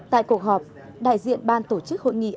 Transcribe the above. tại cuộc họp đại diện ban tổ chức hội nghị